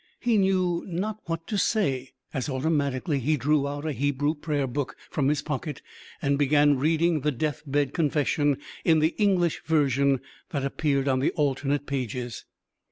He knew not what to say, as automatically he drew out a Hebrew prayer book from his pocket and began reading the Deathbed Confession in the English version that appeared on the alternate pages.